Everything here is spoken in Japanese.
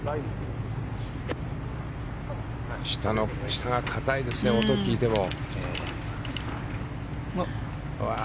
下が硬いですね、音を聞いても。